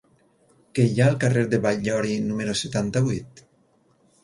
Què hi ha al carrer de Batllori número setanta-vuit?